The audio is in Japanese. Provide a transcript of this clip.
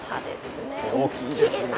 大きいですよね。